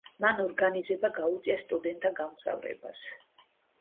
მან ორგანიზება გაუწია სტუდენტთა გამგზავრებას.